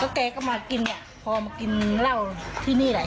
แกก็มากินเนี่ยพอมากินเหล้าที่นี่แหละ